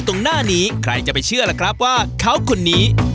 ตรงหน้านี้ใครจะไปเชื่อล่ะครับว่าเขาคนนี้